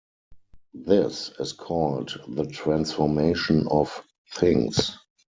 This is called the Transformation of Things.